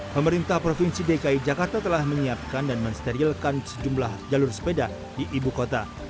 pemerintah provinsi dki jakarta telah menyiapkan dan mensterilkan sejumlah jalur sepeda di ibu kota